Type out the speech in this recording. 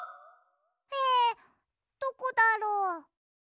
えどこだろう？